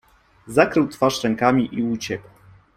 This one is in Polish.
Zakrył twarz rękami i uciekł.